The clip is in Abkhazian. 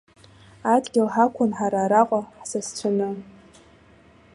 Адгьыл ҳақәын ҳара араҟа ҳсасцәаны.